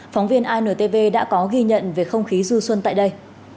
phóng viên intv đã có ghi nhận về không khí du xuân tại đây